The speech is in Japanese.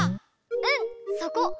うん！そこ！